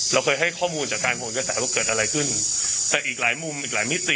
เราเคยให้ข้อมูลจากการโหนกระแสว่าเกิดอะไรขึ้นแต่อีกหลายมุมอีกหลายมิติ